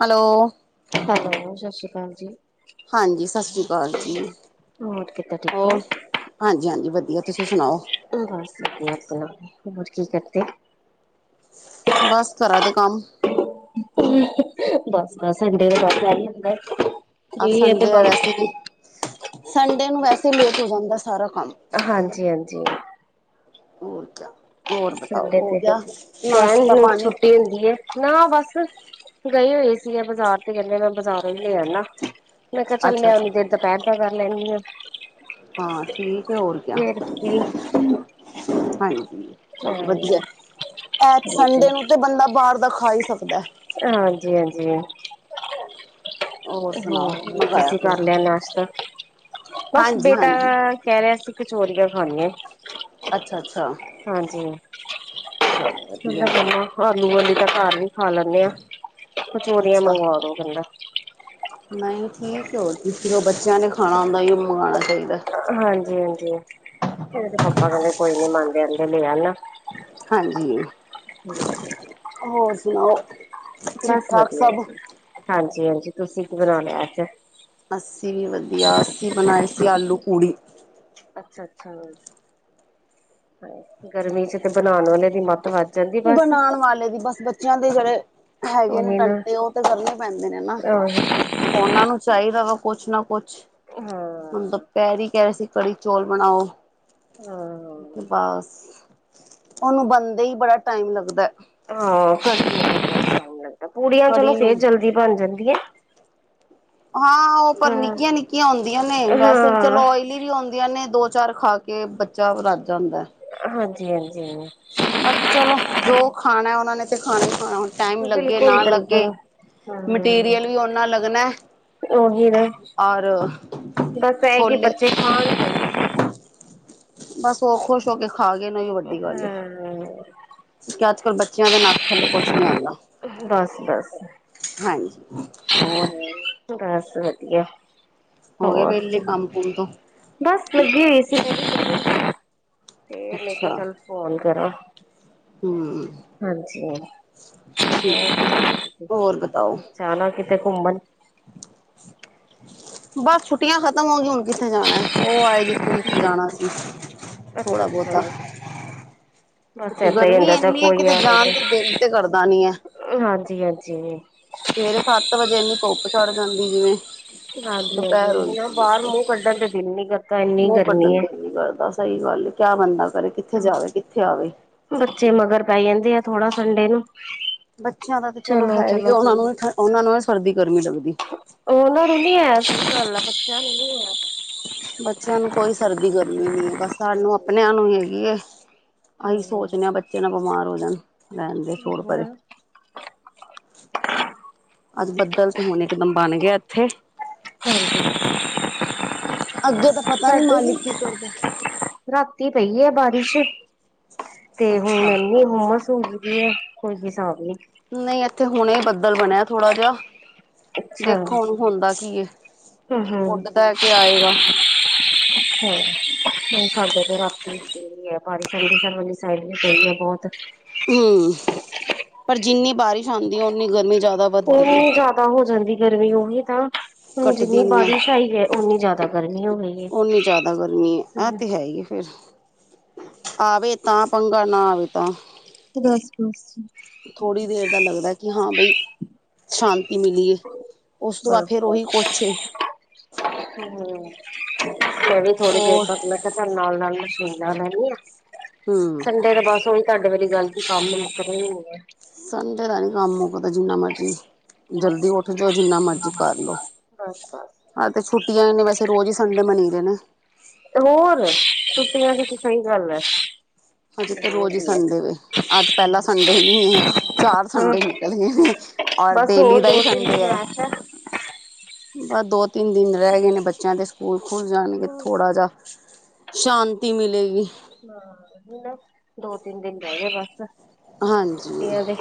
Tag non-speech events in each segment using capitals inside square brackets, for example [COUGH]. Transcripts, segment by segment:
Hello. Hello, ਸਤਿ ਸ਼੍ਰੀ ਅਕਾਲ ਜੀ। ਹਾਂਜੀ, ਸਤਿ ਸ੍ਰੀ ਅਕਾਲ ਜੀ। ਹੋਰ ਕਿੱਦਾਂ ਠੀਕ ਹੋ ਹੋਰ ਹਾਂਜੀ-ਹਾਂਜੀ ਵਧੀਆ। ਤੁਸੀਂ ਸੁਣਾਓ? ਬਸ ਵਧੀਆ ਆਪਣਾ, ਹੋਰ ਕੀ ਕਰਦੇ ਬਸ ਘਰਾ ਦੇ ਕੰਮ ਬਸ-ਬਸ, ਸਡੇ ਦਾ ਬਸ ਏ ਹੁੰਦਾ। ਫ੍ਰੀ ਅੱਜ ਹੈ ਤੇ ਸੰਡੇ ਆ ਬਸ ਵੈਸੇ ਵੀ, ਸੰਡੇ ਨੂੰ ਵੈਸੇ ਲੇਟ ਹੋ ਜਾਂਦਾ ਸਾਰਾ ਕੰਮ। ਹਾਂਜੀ-ਹਾਂਜੀ। ਹੋਰ ਕਿਆ। ਹੋਰ ਬਤਾਓ ਸੰਡੇ ਹੋ ਤੇ ਗਿਆ ਕਹਿਣ ਨਾਸ਼ਤਾ ਨੂੰ ਪਾਣੀ? ਛੁੱਟੀ ਹੁੰਦੀ ਐ, ਨਾ ਬਸ ਗਏ ਹੋਏ ਸੀਗੇ ਬਾਜ਼ਾਰ ਤੇ ਕਹਿੰਦੇ ਮੈਂ ਬਾਜ਼ਾਰੋਂ ਹੀ ਲੈ ਆਣਾ। ਮੈਂ ਕਿਹਾ ਚੱਲ ਮੈਂ ਅੱਛਾ-ਅੱਛਾ ਔਨੀ ਦੇਰ ਦੁਪਹਿਰ ਦਾ ਕਰ ਲੈਣੀ ਆਂ। ਹਾਂ ਠੀਕ ਏ, ਹੋਰ ਕਿਆ ਫ੍ਰੀ ਹਾਂਜੀ। ਹਾਂ ਚਲੋ ਵਧੀਆ ਐ, ਐਚ ਸੰਡੇ ਨੂੰ ਤੇ ਬੰਦਾ ਬਾਹਰ ਦਾ ਖਾ ਹੀ ਸਕਦਾ ਐ। ਹਾਂਜੀ-ਹਾਂਜੀ। ਹੋਰ ਹੂੰ, ਸੁਣਾਓ ਕੀ ਮੰਗਾਇਆ ਤੁਸੀਂ ਫੇਰ? ਕਰ ਲਿਆ ਨਾਸ਼ਤਾ? ਬਸ ਬੇਟਾ ਹਾਂਜੀ-ਹਾਂਜੀ ਕਹਿ ਰਿਹਾ ਸੀ, ਕਚੋਰੀਆਂ ਖਾਣੀਆਂ। ਅੱਛਾ-ਅੱਛਾ ਹਾਂਜੀ ਵਧੀਆ ਲੂੀ ਤਾਂ ਘਰ ਵੀ ਖਾ ਲੈਂਦੇ ਹਾਂ ਕਚੋਰੀਆਂ ਅੱਛਾ। ਮੰਗਵਾ ਦੋ ਕਹਿੰਦਾ। ਨਹੀਂ ਠੀਕ ਹੋ ਤੁ ਉਹ ਬੱਚਿਆਂ ਨੇ ਖਾਣਾ ਹੁੰਦਾ ਉਹ ਮੰਗਵਾਉਣਾ ਚਾਹੀਦਾ। ਹਾਂਜੀ-ਹਾਂਜੀ ਉਹ ਤੇ ਪਾਪਾ ਕਹਿੰਦੇ ਕੋਈ ਨੀ ਮੈਂ ਆਂਦੇ ਆਂਦੇ ਲੈ ਆਨਾ। ਹਾਂਜੀ ਹੋਰ ਸੁਣਾਓ। ਠੀਕ ਬਸ ਠਾਕ ਵਧੀਆ ਸਭ ਜੀ ਹਾਂਜੀ ਹਾਂਜੀ ਤੁਸੀਂ ਕੀ ਬਣਾ ਲਿਆ ਅੱਜ ਅੱਸੀਂ ਵੀ ਵਧੀਆ ਅਸੀਂ ਬਣਾਏ ਸੀ ਆਲੂ ਪੂੜੀ ਅੱਛਾ-ਅੱਛਾ ਗਰਮੀ 'ਚ ਤੇ ਬਣਾਉਣ ਵਾਲੇ ਦੀ ਮੱਤ ਵਜ ਬਨਾਉਣ ਵਾਲੇ ਦੀ ਬਸ ਬੱਚਿਆਂ ਦੇ ਜਿਹੜੇ ਹੈਗੇ ਨੇ ਉਹੀ ਨਾ ਟੰਟੇ ਉਹ ਤੇ ਕਰਨੇ ਪੈਂਦੇ ਨੇ ਨਾ ਆਹੋ ਉਹਨਾਂ ਨੂੰ ਚਾਹੀਦਾ ਵਾ ਕੁਛ ਨਾ ਕੁਛ ਹਾਂ ਹੁਣ ਦੋਪਹਿਰੀ ਕਹਿ ਰਹੇ ਸੀ ਕੜੀ ਚੌਲ ਬਣਾਓ। ਹਾਂ ਤੇ ਬਸ ਉਹਨੂੰ ਬਣਦੇ ਹੀ ਬੜਾ ਟਾਈਮ ਲੱਗਦਾ। [UNINTELLIGIBLE] ਲੱਗਦਾ ਪੂੜੀਆਂ ਚਲੋ ਕੜੀ ਫੇਰ ਨੂੰ ਜਲਦੀ ਬਣ ਜਾਂਦੀਆਂ। ਹਾਂ ਉਹ ਪਰ ਨਿੱਕੀਆਂ- ਨਿੱਕੀਆਂ ਹੁੰਦੀਆਂ ਨੇ ਵੈਸੇ ਵੀ ਚਲੋ ਹਾਂ ਓਇਲੀ ਵੀ ਆਉਂਦੀਆਂ ਨੇ ਦੋ ਚਾਰ ਖਾ ਕੇ ਬੱਚਾ ਰੱਜ ਜਾਦਾਂ। ਹਾਂਜੀ-ਹਾਂਜੀ ਬਾਕੀ ਚਲੋ ਜੋ ਖਾਣਾ ਉਹਨਾ ਨੇ ਤੇ ਖਾਣਾ ਹੀ ਖਾਣਾ। ਟਾਈਮ ਲੱਗੇ ਬਿਲਕੁਲ ਨਾ ਲੱਗੇ ਬਿਲਕੁਲ ਮਟੀਰੀਅਲ ਵੀ ਓਨਾ ਲੱਗਣਾ। ਜੋ ਵੀ ਰੇ ਔਰ ਬਸ ਇਹ ਕਿ ਛੋਲੇ ਬੱਚੇ ਖਾਣ ਗੇ [INAUDIBLE] ਬਸ ਉਹ ਖੁਸ਼ ਹੋ ਕੇ ਖਾਗੇ ਨਾ ਹੋਈਓ ਵੱਡੀ ਗੱਲ ਏ। ਹਮ ਅੱਜ ਕੱਲ੍ਹ ਬੱਚਿਆਂ ਦੇ ਨੱਕ ਥੱਲੇ ਕੁਛ ਨਹੀਂ ਆਉਂਦਾ। ਬਸ- ਬਸ ਹਾਂਜੀ ਹੋਰ ਬਸ ਵਧੀਆ ਹੋ ਗਏ ਹੋਰ ਵਿਹਲੇ ਕੰਮ ਕੁਮ ਤੋਂ ਬਸ ਲੱਗੀ ਹੋਈ ਸੀ। ਅਤੇ ਮੈਂ ਕਿਹਾ ਅੱਛਾ ਚਲ ਫੋਨ ਕਰਾਂ। ਹਮ ਹਾਂਜੀ ਠੀਕ ਹੋਰ ਬਤਾਓ [UNINTELLIGIBLE] ਜਾਣਾ ਕਿਤੇ ਘੁੰਮਣ ਬਸ ਛੁੱਟੀਆਂ ਖਤਮ ਹੋ ਗਈ ਹੁਣ ਕਿੱਥੇ ਜਾਣਾ ਉਹ ਆਏ ਜਿੱਥੇ -ਜਿੱਥੇ ਜਾਣਾ ਸੀ। ਅੱਛਾ- ਥੋੜਾ ਅੱਛਾ ਬਹੁਤਾ ਬਸ ਛੁੱਟੀ ਏਦਾਂ ਹੀ ਗਰਮੀ ਆਦਾ 'ਚ ਇੰਨੀ ਹੈ ਕੋਈ ਕਿਤੇ ਆਵੇ ਜਾਣ ਤੇ ਦਿਲ ਤੇ ਕਰਦਾ ਨੀ ਹੈ ਹਾਂਜੀ। [UNINTELLIGIBLE] ਸਵੇਰੇ ਸੱਤ ਵਜੇ ਇੰਨੀ ਧੁੱਪ ਚੜ ਜਾਂਦੀ ਜਿਵੇਂ ਹਾਂਜੀ ਹਾਂਜੀ ਦੁਪਹਿਰ ਹੋਈ ਉਹੀ ਨਾ ਪਈ ਏ ਬਾਹਰ ਫੇਰ ਮੂੰਹ ਕੱਢਣ ਤੇ ਦਿਲ ਨੀ ਕਰਦਾ ਇੰਨੀ ਮੂੰਹ ਗਰਮੀ ਕੱਢਣ ਹੈ ਦੇ ਦਿਲ ਨੀ ਕਰਦਾ ਸਹੀ ਗੱਲ ਕਿਆ ਬਣਦਾ ਬੱਚੇ ਮਗਰ ਪੈ ਜਾਂਦੇ ਆ ਥੋੜਾ ਸੰਡੇ ਨੂੰ ਬੱਚਿਆਂ ਦਾ ਤੇ ਚਲੋ ਹੈ ਹੀ ਉਹਨਾਂ ਨੂੰ ਉਹਨਾਂ ਨੂੰ ਸਰਦੀ ਗਰਮੀ ਲੱਗਦੀ। ਉਹਨਾਂ ਨੂੰ ਨੀ ਐ ਇਸ ਗੱਲ ਐ ਬੱਚਿਆਂ ਨੂੰ ਨਹੀਂ ਐ। ਬੱਚਿਆਂ ਨੂੰ ਕੋਈ ਸਰਦੀ ਗਰਮੀ ਨੀ ਹੈ ਬਸ ਸਾਨੂੰ ਹਾਂਜੀ ਆਪਣਿਆਂ ਨੂੰ ਹੈਗੀ ਐ। ਅਸੀਂ ਹਮ ਸੋਚਦੇ ਹਾਂ ਬੱਚੇ ਨਾ ਬਿਮਾਰ ਹੋ ਜਾਣ ਰਹਿਣ ਦੇ ਛੋੜ ਪਰੇ ਅੱਜ ਬੱਦਲ ਤੇ ਹੁਣ ਇਕਦਮ ਬਣ ਗਿਆ। ਇੱਥੇ ਹਾਂਜੀ ਅੱਗੇ ਤਾਂ ਪਤਾ ਨੀ ਮਾਲਿਕ ਕੀ ਕਰਦਾ ਐ। ਹੁੰਦੀ ਪਈ ਐ ਬਾਰਿਸ਼ ਤੇ ਹੁਣ ਅੱਛਾ ਇਨੀ ਹੂਮਸ ਹੋਈ। ਕਿ ਕੋਈ ਹਿਸਾਬ ਨੀ। ਨਹੀਂ ਇੱਥੇ ਹੁਣੇ ਹੀ ਬੱਦਲ ਬਣਿਆ ਥੋੜਾ ਜਿਹਾ। ਅੱਛਾ ਹਮ ਦੇਖੋ ਹੁਣ ਹੁੰਦਾ ਕੀ ਏ ਉੱਡਦਾ ਕੇ ਆਏਗਾ। [INAUDIBLE] ਹੂੰ ਹੂੰ ਸਾਡੇ ਤੇ ਰਾਤੀ ਵੀ ਪਈ ਐ। ਬਾਰੀਸ਼ ਅੰਮ੍ਰਿਤਸਰ ਵਾਲੀ ਸਾਈਡ ਵੀ ਪਈ ਏ ਬਹੁਤ ਹੂ ਪਰ ਜਿੰਨੀ ਬਾਰਿਸ਼ ਆਉਂਦੀ ਹੈ। ਉਨੀ ਗਰਮੀ ਜ਼ਿਆਦਾ ਵੱਧਦੀ ਐ। ਉਹਨੀ ਜ਼ਿਆਦਾ ਹੋ ਜਾਂਦੀ ਗਰਮੀ ਉਹੀ ਨਾ ਹੁਣ, ਜਿੰਨੀ ਘੱਟਦੀ ਨੀ ਹੈ ਬਾਰਿਸ਼ ਆਈ ਹੈ ਉਨੀ ਜ਼ਿਆਦਾ ਗਰਮੀ ਹੋ ਗਈ ਓਨੀ ਜ਼ਿਆਦਾ ਗਰਮੀ ਇਹ ਤੇ ਹੈ ਹੀ ਫਿਰ ਆਵੇ ਤਾਂ ਪੰਗਾ ਨਾ ਆਵੇ ਤਾਂ ਬਸ-ਬਸ ਜੀ। ਥੋੜੀ ਦੇਰ ਦਾ ਲੱਗਦਾ ।ਕਿ ਹਾਂ ਬਈ ਸ਼ਾਂਤੀ ਮਿਲੀਏ, ਉਸ ਤੋਂ ਬਾਅਦ ਫੇਰ ਉਹੀ ਕੁਛੇ ਹੂ ਮੈ ਵੀ ਥੋੜੀ ਦੇਰ ਹੋਰ ਤੱਕ, ਮੈਂ ਕਿਹਾ ਚਲ ਨਾਲ -ਨਾਲ ਹੀ ਨਾਲ ਰਹਿਣੀ ਐ। ਹੂੰ। ਸੰਡੇ ਤੇ ਬਸ ਉਹੀ ਤੁਹਾਡੇ ਵੇਲੀ ਗੱਲ ਦੀ ਕੰਮ ਮੁਕਦੇ ਨੀ ਐ। ਸੰਡੇ ਦਾ ਨੀ ਕੰਮ ਦਾ ਜਿੰਨਾ ਮਰਜੀ ਆ ਜਲਦੀ ਉੱਠ ਜਾਓ। ਜਿੰਨਾ ਮਰਜ਼ੀ ਕਰ ਲੋ ਬਸ-ਬਸ। ਹਾਂ। ਤੇ ਛੁੱਟੀਆਂ ਇਨੇ ਵੈਸੇ ਰੋਜ਼ ਹੀ ਸੰਡੇ ਮੰਨੀ ਦੇਣੇ ਇਹ ਤਾਂ ਬਿਲਕੁਲ ਸਹੀ ਗੱਲ ਹੈ। ਹਜੇ ਤੇ ਬਹੁਤ ਰੋਜ਼ ਹੀ ਹੈ। ਸੰਡੇ ਵੇ ਅੱਜ ਪਹਿਲਾ ਸੰਡੇ ਨੀ ਹੈ ਚਾਰ ਹੂ ਸੰਡੇ ਨਿਕਲ ਗਏ ਨੇ ਔਰ ਬਸ ਡੇਲੀ ਹੋਰ ਦਾ ਹੀ ਦੋ ਤਿੰਨ ਸੰਡੇ ਦਿਨ ਹੈ ਐਸ਼ ਐ। ਬਸ ਦੋ ਤਿੰਨ ਦਿਨ ਰਹਿ ਗਏ ਨੇ ਬੱਚਿਆਂ ਦੇ ਸਕੂਲ ਖੁੱਲ ਜਾਣਗੇ। ਹੂੰ ਥੋੜਾ ਜ ਸ਼ਾਂਤੀ ਮਿਲੇਗੀ। ਹਾਂ। ਹਨ ਨਾ ਦੋ ਤਿੰਨ ਦਿਨ ਰਹਿ ਗੇ। ਬਸ ਹਾਂਜੀ। ਛੁੱਟੀਆਂ ਦੇ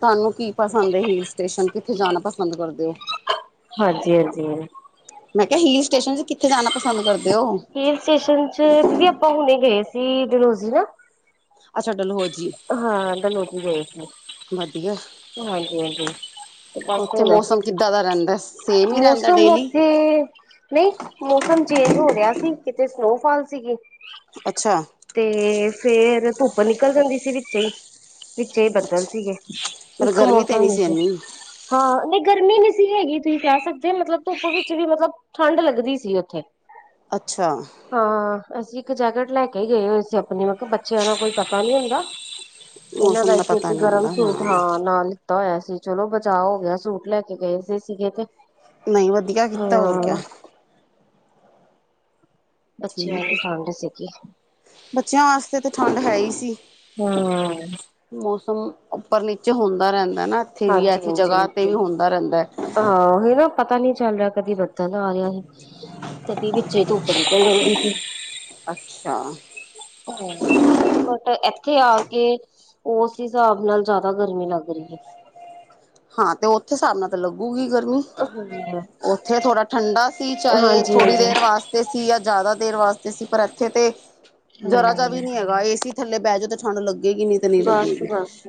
ਤੁਹਾਨੂੰ ਕੀ ਪਸੰਦ ਹਿਲ ਸਟੇਸ਼ਨ ਤੇ, ਕਿੱਥੇ ਜਾਣਾ ਪਸੰਦ ਕਰਦੇ ਓ। ਜੀ ਆ ਜੀ ਮੈਂ ਕਿਹਾ ਹੀ ਹਿਲ ਸਟੇਸ਼ਨ ਚ, ਦੀਦੀ ਆਪਾਂ ਹੁਣੇ ਗਏ ਸੀ। ਵੀ ਡਲੋਜ਼ੀ ਨਾ। ਅੱਛਾ। ਡਲਹੋ ਜੀ ਹਾਂ। ਤਾਂ ਡਲਹੌਜ਼ੀ ਗਏ ਸੀ ਵਧੀਆ ।ਹਾਂਜੀ, ਹਾਂਜੀ ਵੱਖ ਉੱਥੇ ਹੋਨਾ। ਮੌਸਮ ਕਿੱਦਾਂ ਦਾ ਰਹਿੰਦਾ ਸੇਮ ਹੀ ਰਹਿੰਦਾ ਮੌਸਮ ਡੇਲੀ ਉੱਥੇ ਨਹੀਂ ਮੌਸਮ ਚੇਂਜ ਹੋ ਰਿਹਾ ਸੀ। ਕਿਤੇ ਸਨੋਫਾਲ ਸੀਗੀ ਅੱਛਾ ਤੇ ਫੇਰ ਧੁੱਪ ਨਿਕਲ ਜਾਂਦੀ ਸੀ। ਵਿੱਚੇ ਹੀ ਵਿੱਚੇ ਹੀ ਬੱਦਲ ਸੀਗੇ, ਪਰ ਇੱਕ ਗਰਮੀ ਤੇ ਨਹੀਂ ਮੌਸਮ ਨ ਸੀ। ਇੰਨੀ ਹਾਂ ਨੀ ਗਰਮੀ ਨਹੀਂ ਸੀ ਹੈਗੀ, ਤੁਸੀਂ ਕਹਿ ਸਕਦੇ ਮਤਲਬ ਧੁੱਪ ਵਿੱਚ ਵੀ ਮਤਲਬ ਠੰਡ ਲੱਗਦੀ ਸੀ ਉੱਥੇ ਅੱਛਾ। ਹਾਂ ਅਸੀਂ ਇੱਕ ਜੈਕਟ ਲੈ ਕੇ ਗਏ ਹੋਏ ਸੀ। ਆਪਣੀ ਮਤਲਬ ਕਿਹਾ ਬੱਚਿਆਂ ਦਾ ਕੋਈ ਪਤਾ ਨੀ ਹੁੰਦਾ। ਇਹਨਾਂ ਦਾ ਮੌਸਮ ਇੱਕ ਪਤਾ ਨਹੀਂ ਗਰਮ ਹੁੰਦਾ ਸੂਟ। ਹਾਂ ਨਾਲ ਲਿੱਤਾ ਹੋਇਆ ਸੀ। ਚਲੋ ਬਚਾਅ ਹੋ ਗਿਆ ਸੂਟ ਲੈ ਕੇ ਗੇ ਸੀਗੇ ਤੇ ਨਹੀਂ ਵਧੀਆ ਕੀਤਾ ਹੋਰ ਕਿਆ। ਹਾਂ ਬੱਚਿਆਂ ਠੀਕ ਨੂੰ ਹੈ ਠੰਡ ਸੀਗੀ ਬੱਚਿਆਂ ਵਾਸਤੇ ਤਾਂ ਠੰਡ ਹੈ। ਹੀ ਸੀ ਹੂ ਮੌਸਮ ਉੱਪਰ ਨੀਚੇ ਹੁੰਦਾ ਰਹਿੰਦਾ। ਨਾ ਇੱਥੇ ਵੀ ਐਸੀ ਹਾਂਜੀ-ਹਾਂਜੀ, ਜਗ੍ਹਾ ਤੇ ਵੀ ਹੁੰਦਾ ਰਹਿੰਦਾ ਹੈ। ਹਾਂ ਉਹੀ ਨਾ ਪਤਾ ਨੀ ਚੱਲ ਰਿਹਾ ਕਦੀ ਬਦਲ ਆ ਗਿਆ ਸੀ ਕਦੀ ਵਿੱਚੇ ਧੁੱਪ ਨਿਕਲ ਜਾਂਦੀ ਸੀ। ਅੱਛਾ, ਬਟ ਇੱਥੇ ਆ ਕੇ, ਉਸ ਹਿਸਾਬ ਨਾਲ ਜ਼ਿਆਦਾ ਗਰਮੀ ਲੱਗ ਰਹੀ ਹੈ। ਹਾਂ ਤੇ ਉਹ ਉਥੇ ਹਿਸਾਬ ਨਾਲ ਤਾਂ ਲੱਗੂਗੀ ਗ ਹਾਂ। ਉੱਥੇ ਥੋੜਾ ਠੰਡਾ ਸੀ ਚਾਹੇ ਥੋੜੀ ਹਾਂਜੀ-ਹਾਂਜੀ। ਦੇਰ ਵਾਸਤੇ ਸੀ ਜਾਂ ਜ਼ਿਆਦਾ, ਦੇਰ ਵਾਸਤੇ ਸੀ ਪਰ ਇੱਥੇ ਤੇ ਜਰਾ ਜੀ ਵੀ ਹੂੰ। ਨੀ ਹੈਗਾ ਏ ਸੀ ਥੱਲੇ ਬਹਿ ਜਾਓ ਤੇ ਠੰਢ ਲੱਗ ਲੱਗੇਗੀ ਨੀ ਤਾਂ ਨਹੀਂ ਲੱਗੇਗੀ। ਬਸ-ਬਸ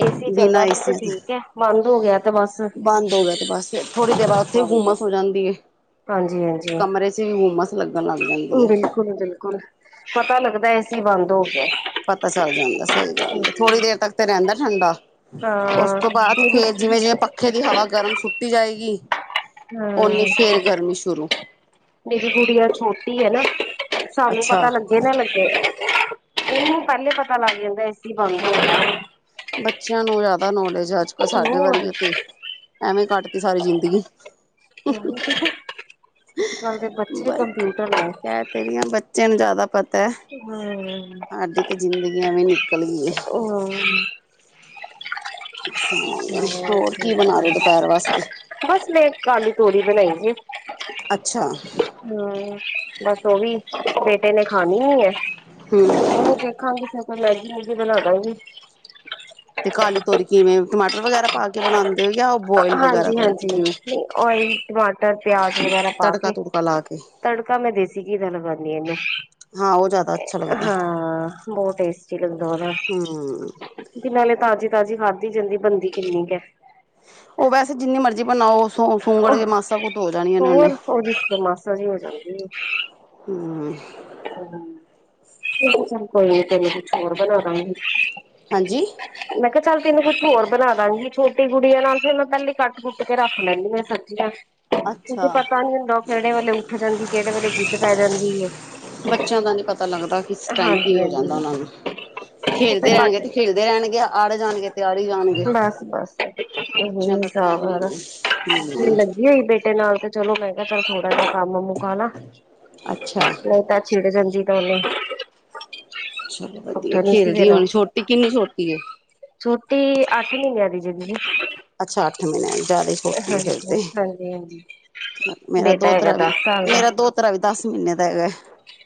ਏਸੀ ਬਿਨਾਂ ਚੱਲਦਾ ਬਿਲਕੁਲ ਏਸੀਆਂ ਤਾਂ ਠੀਕ, ਬੰਦ ਹੋ ਗਿਆ ਤੇ ਬਸ। ਬੰਦ ਹੋ ਗਿਆ ਤੇ ਬਸ ਫਿਰ ਥੋੜ੍ਹੀ ਦੇਰ ਬਾਅਦ ਉੱਥੇ ਗੁੰਮਸ ਹੋ ਜਾਂਦੀ ਹੈ ਹਾਂਜੀ-ਹਾਂਜੀ, ਕਮਰੇ 'ਚ ਵੀ ਗੁੰਮਸ ਲੱਗਣ ਲੱਗ ਜਾਂਦੀ ਹੈ ਬਿਲਕੁਲ-ਬਿਲਕੁਲ, ਪਤਾ ਲੱਗਦ ਏਸੀ ਬੰਦ ਹੋ ਗਿ ਪਤਾ ਚੱਲ ਜਾਂਦਾ ਸਹੀ ਗੱਲ ਥੋੜੀ ਦੇਰ ਤੱਕ ਤੇ ਰਹਿੰਦਾ ਠੰਡਾ ਉਸ ਹਾਂ, ਤੋਂ ਬਾਅਦ ਫੇਰ ਜਿਵੇਂ- ਜਿਵੇਂ ਪੱਖੇ ਦੀ ਹਵਾ ਗਰਮ ਸੁੱਟੀ ਜਾਏਗੀ। ਔਨੀ ਹਾਂ। ਫੇਰ ਗਰਮੀ ਸ਼ੁਰੂ ਮੇਰੀ ਗੁੜੀਆ ਛੋਟੀ ਹੈ ਨਾ ਸਾਨੂੰ ਅੱਛਾ ਪਤਾ ਲੱਗੇ ਨਾ ਲੱਗੇ। ਇਹਨੂੰ ਪਹਿਲੇ ਪਤਾ ਲੱਗ ਜਾਂਦਾ ਏਸੀ ਬੰਦ ਹੋ ਗਿਆ। ਬੱਚਿਆਂ ਨੂੰ ਜ਼ਿਆਦਾ ਨੌਲੇਜ ਅੱਜ ਕੱਲ ਸਾਡੇ ਹੋਰ ਵਾਰੀ ਤੇ ਐਵੇਂ ਕੱਟ ਤੀ ਸਾਰੀ ਜ਼ਿੰਦਗੀ [INAUDIBLE] [INAUDIBLE] ਅੱਜ ਕੱਲ ਦੇ ਬੱਚੇ ਬ ਕੰਪਿਊਟਰ ਨੇ। ਕਹਿ ਤੇਰੀਆਂ ਬੱਚੇ ਨੂੰ ਜਿਆਦਾ ਤਾਂ ਹੂੰ ਸਾਡੀ ਤੇ ਜ਼ਿੰਦਗੀ ਐਵੇਂ ਨਿਕਲ ਗਈ ਹੈ। ਹੂੰ ਐਵੇਂ ਹੂੰ ਹੋਰ ਕੀ ਬਣਾ ਰਹੇ ਹੋ ਦੁਪਹਿਰ ਵਾਸਤੇ? [UNINTELLIGIBLE] ਬਸ ਲੇਟ ਖਾ ਲੀ ਤੋਰੀ ਬਣਾਈ ਹੂੰ ਅੱਛਾ ਬਸ ਤੋ ਵੀ ਬੇਟੇ ਨੇ ਖਾਣੀ ਹੀ ਹੈ ਉਹਨੂੰ ਦੇਖਾਂਗੀ ਫੇਰ ਮੈਗੀ ਮੋਗੀ ਬਣਾ ਦਾਂਗੀ। ਤੇ ਕਾਲੀ ਤੋਰੀ ਕਿਵੇਂ ਟਮਾਟਰ ਵਗੈਰਾ ਪਾ ਕੇ ਬਣਾ ਹਾਂਜੀ-ਹਾਂਜੀ ਓਇਲ ਟਮਾਟਰ ਪਿਆਜ ਵਗੈਰਾ ਪਾ ਤੜਕਾ ਕੇ ਤੁੜਕਾ ਲਾ ਕੇ ਤੜਕਾ ਮੈਂ ਦੇਸੀ ਘੀ ਦਾ ਲਗਾਨੀ ਇਹਨੂੰ ਹਾਂ ਉਹ ਜ਼ਿਆਦਾ ਅੱਛਾ ਲੱਗਦਾ ਹਾਂ ਬਹੁਤ ਟੇਸਟੀ ਲੱਗਦਾ ਉਹਦਾ ਹੂੰ। ਕਿ ਨਾਲੇ ਤਾਜ਼ੀ- ਤਾਜ਼ੀ ਖਾਧਦੀ ਜਾਂਦੀ ਬੰਦੀ ਕਿੰਨੀ ਕਿ ਉਹ ਵੈਸੇ ਜਿੰਨੀ ਮਰਜ਼ੀ ਬਨਾ ਉਹ ਸ ਸੁੰਗੜ ਹੈ ਕੇ ਮਾਸਾ ਕੁ ਧੋ ਜਾਣੀ ਉਹਨੇ ਹੋਰ ਉਹਦੀ ਮਾਸਾ ਜਿਹੀ ਹੋ ਜਾਣੀ। ਹੂੰ ਹੂੰ ਚੱਲ ਕੋਈ ਤਿੰਨ ਹੋਰ ਬਣਾ ਦੇਣਗੇ ਹਾਂਜੀ ਮੈ ਕਿਹਾ ਚੱਲ ਤੈਨੂੰ ਕੁਛ ਹੋਰ ਬਣਾ ਦਾਂਗੀ ਛੋਟੀ ਗੁੜੀਆਂ ਨਾਲ ਫੇਰ ਮੈਂ ਪਹਿਲੀ ਕੱਟ-ਕੁੱਟ ਕੇ ਰੱਖ ਲੈਂਦੀ ਮੈਂ ਸਬਜ਼ੀਆਂ ਤੁਸੀ ਅੱਛਾ ਪਤਾ ਨੀ ਹੁੰਦਾ ਕਿਹੜੇ ਵੇਲੇ ਉੱਠ ਜਾਂਦੀ ਕਿਹੜੇ ਵੇਲੇ ਜਿੱਦ ਪੈ ਜਾਂਦੀ ਏ। ਬੱਚਿਆਂ ਦਾ ਨਹੀਂ ਪਤਾ ਲੱਗਦਾ ਕਿ ਇਸ ਟਾਈਮ ਕੀ ਹੋ ਜਾਂਦਾ ਹਾਂਜੀ ਉਹਨਾਂ ਨੂੰ ਖੇਲਦੇ ਰਹਿਣਗੇ ਤੇ ਖੇਡਦੇ ਰਹਿਣਗੇ ਅੜ ਜਾਣਗੇ। ਤੇ ਆੜੀ ਜਾਣਗੇ ਬਸ -ਬਸ ਬੱਚਿਆਂ ਇਹੀ ਦਾ ਤੇ ਸਾਬ ਹੋਇਆ ਐਵੇਂ ਦਾ ਹੀ ਹੂੰ। ਲੱਗੀ ਹੋਈ ਬੇਟੇ ਨਾਲ ਤੇ ਚਲੋ ਕੈਂ ਕਿਹਾ ਚੱਲ ਥੋੜਾ ਜਿਹਾ ਕੰਮ ਮੁਕਾ ਲਾਂ ਅੱਛਾ। ਨਹੀਂ ਤਾਂ ਛਿੜ ਜਾਂਦੀ। [UNINTELLIGIBLE] ਚਲੋ ਵਧੀਆ ਉੱਠਾ ਨੀ ਸੀ ਖੇਲਦੀ ਦੇਣਾ। ਹੋਣੀ ਛੋਟੀ ਕਿੰਨੀ ਛੋਟੀ ਏ। ਛੋਟੀ ਅੱਠ ਮਹੀਨਿਆਂ ਦੀ ਜਿਹ ਦੀਦੀ ਅੱਛਾ ਅੱਠ ਮਹੀਨਿਆਂ ਜਾਦਾ ਛੋਟੀ ਐ ਹਾਂਜੀ ਫਿਰ ਤੇ ਹਾਂਜੀ ਹਾਂਜੀ। ਮੇਰਾ ਬੇਟਾ ਹੈਗਾ ਦੋਤਰਾ ਵੀ ਦਸ ਸਾਲ ਦਾ ਮੇਰਾ ਦੋਤਰਾ ਵੀ ਦਸ ਮਹੀਨੇ ਦਾ ਹੈਗਾ।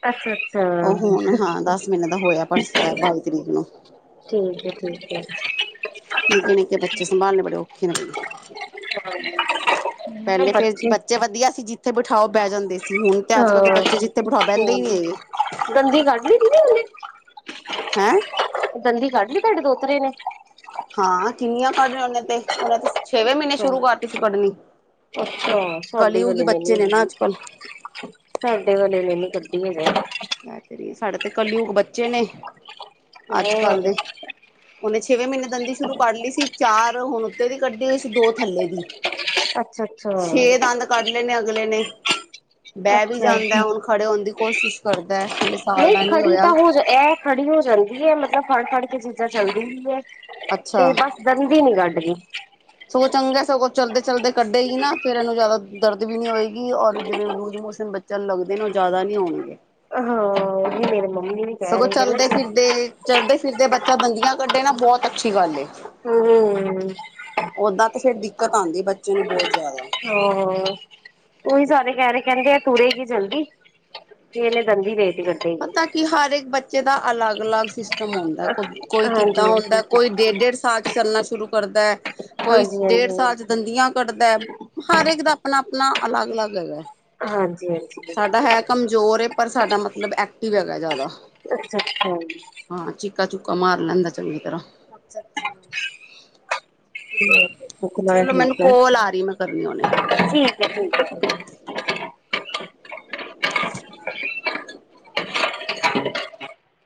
ਅੱਛਾ ਅੱਛਾ ਉਹ ਹੁਣ ਹਾਂ ਦਸ ਮਹੀਨੇ ਦਾ ਹੋਇਆ ਪਰਸ ਬਾਈ ਤਰੀਕ ਨੂੰ ਠੀਕ ਹੈ ਠੀਕ ਹੈ। ਨਿੱਕੇ-ਨਿੱਕੇ ਬੱਚੇ ਸੰਭਾਲਣੇ ਬੜੇ ਔਖੇ ਨੇ ਬਈ ਪਹਿਲੇ ਫੇਰ ਬੱਚੇ ਵਧੀਆ ਸੀ। ਜਿੱਥੇ ਬਿਠਾਓ ਬਹਿ ਜਾਂਦੇ ਸੀ। ਹੁਣ ਤੇ ਅੱਜ ਕੱਲ ਦੇ ਬੱਚੇ ਹਾਂ ਜਿੱਥੇ ਬਿਠਾ ਬਹਿੰਦੇ ਫੋਨ ਨੀ ਹੈਗੇ। ਦੰਦੀ ਕੱਢ ਲਈ ਦੀਦੀ ਉਹਨੇ ਹੈਂ ਦੰਦੀ ਕੱਢ ਲਈ ਤੁਹਾਡੇ ਦੋਤਰੇ ਨੇ। ਅਜੇ ਉਹਨਾਂ ਤੇ ਉਹਨਾਂ ਤੇ ਛੇਵੇਂ ਮਹੀਨੇ ਅੱਛਾ। ਸ਼ੁਰੂ ਕਰਤੀ ਸੀ ਕੱਢਣੀ ਅੱਛਾ ਸਾਡੇ ਕਲਯੁੱਗੀ ਵਾਲੇ ਨੀ ਬੱਚੇ ਨੇ ਨਾ ਅੱਜ ਕੱਲ ਸਾਡੇ ਵਾਲੇ ਨੇ ਨੀ ਕੱਢੀ ਹਜੇ। ਕ ਕਰੀਏ ਸਾਡੇ ਤੇ ਕੱਲਯੁਗ ਬੱਚੇ ਨੇ ਅੱਜ ਕੱਲ ਹੋਰ ਦੇ ਉਹਨੇ ਛੇਵੇਂ ਮਹੀਨੇ ਦੰਦੀ ਸ਼ੁਰੂ ਕਰ ਲਈ ਸੀ ਚਾਰ ਹੁਣ ਉੱਤੇ ਦੀ ਕੱਢੀ ਹੋਈ ਸੀ ਦੋ ਥੱਲੇ ਦੀ ਅੱਛਾ ਛੇ ਅੱਛਾ ਦੰਦ ਕੱਢ ਲੈਣੇ ਅਗਲੇ ਨੇ। ਬਹਿ ਵੀ ਅੱਛਾ ਜਾਂਦਾ ਹੁਣ ਖੜੇ ਹੋਣ ਦੀ ਕੋਸ਼ਿਸ਼ ਕਰਦਾ ਹਾਲੇ ਸਾਲ ਨਹੀਂ ਦਾ ਨੀ ਖੜੀ ਤਾਂ ਹੋਇਆ ਹੋ ਇਹ ਖੜੀ ਹੋ ਜਾਂਦੀ ਹੈ। ਮਤਲਬ ਫੜ ਕੇ ਚੀਜ਼ਾਂ ਚੱਲਦੀ ਹੀ ਹੈ ਤੇ ਅੱਛਾ ਬਸ ਦੰਦੀ ਹ ਨੀ ਕੱਢ ਰਹੀ। ਸਗੋਂ ਚੰਗਾ ਸਗੋਂ ਚੱਲਦੇ-ਚਲਦੇ ਕੱਢੇਗੀ ਨਾ ਫੇਰ ਇਹਨੂੰ ਜਾਦਾ ਦਰਦ ਵੀ ਨੀ ਹੋਏਗੀ ਔਰ ਜਿਵੇਂ ਲੂਜ਼ ਮੋਸ਼ਨ ਬੱਚਾ ਲੱਗਦੇ ਨੇ ਉਹ ਜ਼ਿਆਦਾ ਨੀ ਹੋਣਗੇ। ਹਾਂ [UNINTELLIGIBLE] ਕਹਿ ਸਗੋਂ ਰਹੇ ਚਲਦੇ ਕਹਿੰਦੇ ਫਿਰਦੇ ਚੱਲਦੇ ਫਿਰਦੇ ਬੇ ਚਾਬੰਦੀਆਂ ਕੱਢੇ ਨਾ, ਬਹੁਤ ਅੱਛੀ ਗੱਲ ਏ ਹੂੰ ਓਦਾਂ ਤੇ ਫੇਰ ਦਿੱਕਤ ਆਉਂਦੀ ਬੱਚੇ ਨੂੰ ਬਹੁਤ ਜਾਦਾ। ਹ ਉਹੀ ਸਾਰੇ ਕਹਿ ਰਹੇ, ਕਹਿੰਦੇ ਆ ਤੁਰੇ ਗੀ ਜਲਦੀ। ਤੇਨ ਦੰਦੀ [UNINTELLIGIBLE] ਪਤਾ ਕੀ ਹਰ ਇੱਕ ਬੱਚੇ ਦਾ ਅਲਗ-ਅਲਗ ਸਿਸਟਮ ਹੁੰਦਾ ਕੋਈ ਕਿੱਦਾਂ ਹਾਂਜੀ ਹੁੰਦਾ ਕੋਈ ਡੇਢ ਡੇਢ ਸਾਲ ਚੱਲਣਾ ਸ਼ੁਰੂ ਕਰਦਾ ਕੋਈ ਹਾਂਜੀ ਡੇਢ ਹਾਂਜੀ ਸਾਲ ਚ ਦੰਦੀਆਂ ਕੱਢਦਾ ਹਰ ਇੱਕ ਦਾ ਆਪਣਾ-ਆਪਣਾ ਅਲਗ-ਅਲਗ ਹੈਗਾ। ਹਾਂਜੀ ਹਾਂਜੀ ਸਾਡਾ ਹੈ ਕਮਜ਼ੋਰ ਪਰ ਸਾਡਾ ਮਤਲਬ ਐਕਟਿਵ ਹੈਗਾ ਜਾਦਾ। ਅੱਛਾ ਅੱਛਾ ਹਾਂ ਚੀਕਾ-ਚੁਕਾ ਮਾਰ ਲੈਂਦਾ ਚੰਗੀ ਤਰ੍ਹਾਂ ਅੱਛਾ-ਅੱਛਾ। ਸੁੱਖ ਨਾਲ ਚਲੋ ਮੈਨੂੰ ਠੀਕ ਐ। ਕੋਲ ਆ ਰਹੀ ਮੈਂ ਕਰਨੀ ਹੁਣੇ [UNINTELLIGIBLE] [INAUDIBLE]